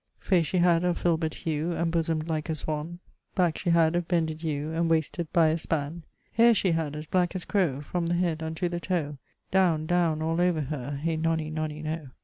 Face she had of filberd hue, And bosom'd like a swan; Back she had of bended ewe, And wasted by a span. Haire she had as black as crowe From the head unto the toe Downe, downe, all over her Hye nonny nonny noe.